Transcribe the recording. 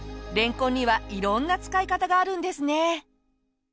れんこんには色んな使い方があるんですね。